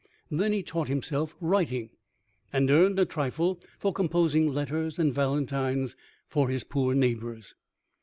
Then he taught himself writing, and earned a trifle for composing letters and Valentines for his poor neighbors.